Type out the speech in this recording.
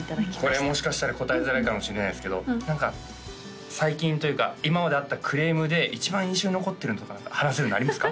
これもしかしたら答えづらいかもしれないですけど何か最近というか今まであったクレームで一番印象に残ってるのとか話せるのありますか？